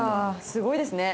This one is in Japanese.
すごいですね。